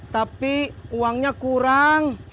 tapi uangnya kurang